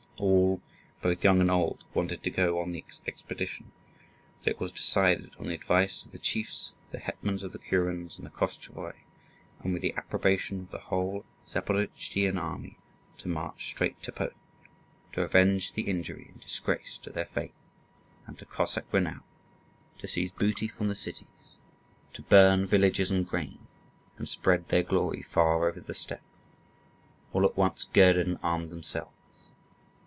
All, both young and old, wanted to go on the expedition; and it was decided, on the advice of the chiefs, the hetmans of the kurens, and the Koschevoi, and with the approbation of the whole Zaporozhtzian army, to march straight to Poland, to avenge the injury and disgrace to their faith and to Cossack renown, to seize booty from the cities, to burn villages and grain, and spread their glory far over the steppe. All at once girded and armed themselves.